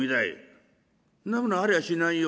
「そんなものありゃしないよ」。